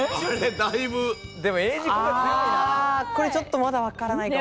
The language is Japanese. これ、ちょっとまだわからないかも。